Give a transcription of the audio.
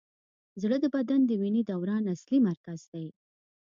زړه د بدن د وینې دوران اصلي مرکز دی.